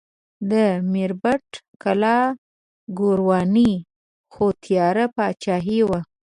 د میربت کلا ګورواني خو تیاره پاچاهي وه.